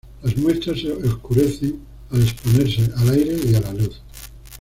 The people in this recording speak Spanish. Las muestras se oscurecen al exponerse al aire y a la luz.